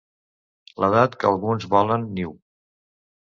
L'edat que alguns volen New.